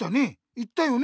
言ったよね？